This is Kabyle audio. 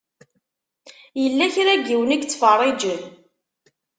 Yella kra n yiwen i yettfeṛṛiǧen.